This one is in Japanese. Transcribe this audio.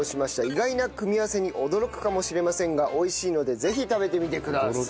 意外な組み合わせに驚くかもしれませんが美味しいのでぜひ食べてみてください。